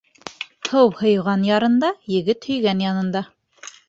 Һыу һыйған ярында, егет һөйгән янында.